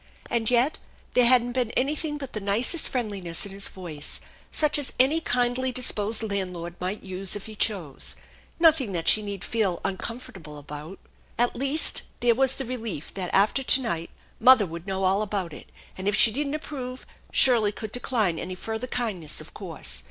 And yet there hadn't been anything but the nicest friendliness in his voice, such as any kindly disposed landlord might use if he chose, nothing that she need feel uncom fortable about. At least, there was the relief that after to night mother would know all about it; and, if she didn't approve, Shirley could decline any further kindness, of course.